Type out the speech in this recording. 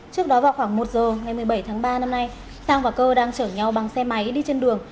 trước đó vào khoảng một giờ ngày một mươi bảy tháng ba năm nay sang và cơ đang chở nhau bằng xe máy đi trên đường